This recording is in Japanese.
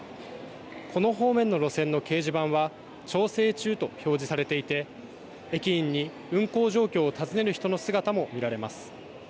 この方面の路線の掲示板は調整中と表示されていて駅員に運行状況を尋ねる人の姿も見られます。